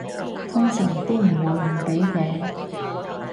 通常都唔會唔俾嘅